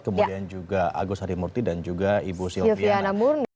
kemudian juga agus harimurti dan juga ibu sylviana